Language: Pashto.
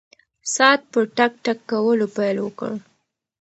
ساعت په ټک ټک کولو پیل وکړ.